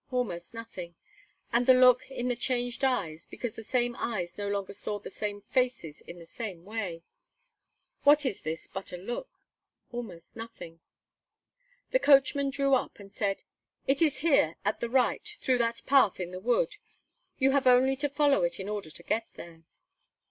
almost nothing and the look in the changed eyes, because the same eyes no longer saw the same faces in the same way. What is this but a look? Almost nothing! The coachman drew up, and said: "It is here, at the right, through that path in the wood. You have only to follow it in order to get there."